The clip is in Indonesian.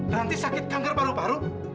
nanti sakit kanker paru paru